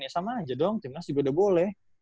ya sama aja dong tim nas juga udah boleh